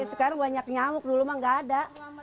sekarang banyak nyamuk dulu mah gak ada